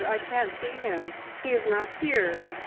I can't see him. He is not here."